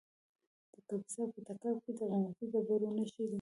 د کاپیسا په تګاب کې د قیمتي ډبرو نښې دي.